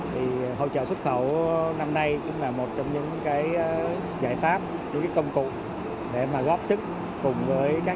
hỗ trợ xuất khẩu năm nay cũng là một trong những giải pháp những công cụ để góp sức cùng với các